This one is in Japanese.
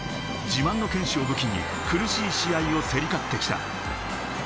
自慢の堅守を武器に、苦しい試合を競り勝ってきた。